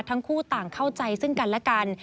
ทั้งคู่ต่างเข้าใจซึ่งกันและกัน